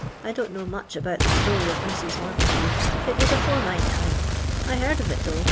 I don't know much about the story of Mrs. Montague; it was afore my time. I heard of it though.